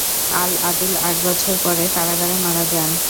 আল-আদিল আট বছর পরে কারাগারে মারা যান।